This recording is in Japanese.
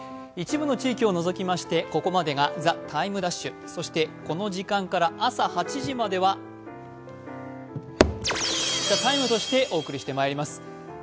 一部の地域を除きましてここまでが「ＴＨＥＴＩＭＥ’」、そしてこの時間から朝８時までは「ＴＨＥＴＩＭＥ，」としてお送りしてまいります。